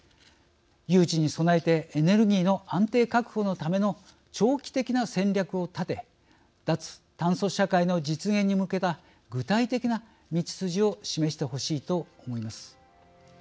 有事に備えてエネルギーの安定確保のための長期的な戦略を立て脱炭素社会の実現に向けた具体的な道筋を示してほしいと思います。